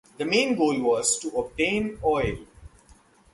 The main goal was to obtain oil.